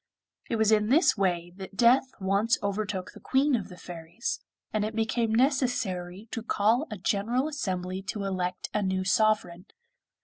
It was in this way that death once overtook the Queen of the Fairies, and it became necessary to call a general assembly to elect a new sovereign.